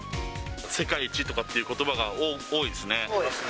世界一とかっていうことばが多いですね。